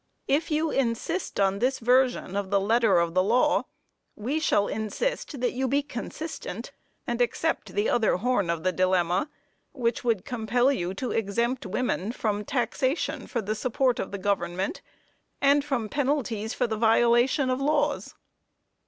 If you insist on this version of the letter of the law, we shall insist that you be consistent, and accept the other horn of the dilemma, which would compel you to exempt women from taxation for the support of the government, and from penalties for the violation of laws.